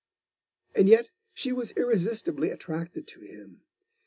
And yet she was irresistibly attracted to him.